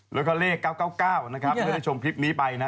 แล้วก็เลข๙๙๙นะครับเมื่อได้ชมคลิปนี้ไปนะ